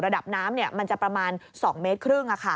ระดับน้ำมันจะประมาณ๒เมตรครึ่ง